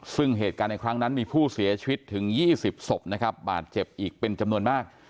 ซึ่งเหตุการณ์ในครั้งนั้นมีผู้เสียชีวิตถึง๒๐ศพนะครับบาดเจ็บอีกเป็นจำนวนมาก